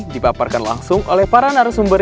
dipaparkan langsung oleh para narasumber